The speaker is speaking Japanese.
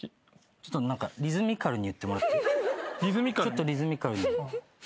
ちょっとリズミカルに。